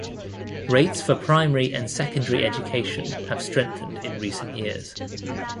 Rates for primary and secondary education have strengthened in recent years.